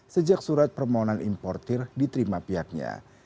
sejak surat permohonan importer diterima pihaknya